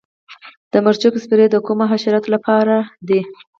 د مرچکو سپری د کومو حشراتو لپاره دی؟